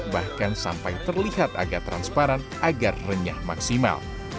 bahkan sampai terlihat agak transparan agar renyah maksimal